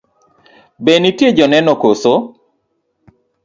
Be nitie joneno koso?